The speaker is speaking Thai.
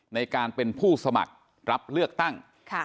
ในการเป็นผู้สมัครรับเลือกตั้ง